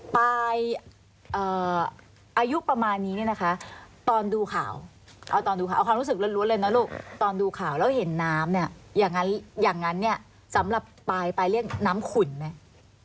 ปลายอายุประมาณนี้เนี่ยนะคะตอนดูข่าวเอาตอนดูข่าวเอาความรู้สึกล้วนเลยนะลูกตอนดูข่าวแล้วเห็นน้ำเนี่ยอย่างนั้นเนี่ยสำหรับปลายเรียกน้ำขุ่นไหม